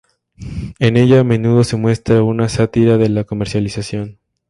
En ella a menudo se muestra una sátira de la comercialización.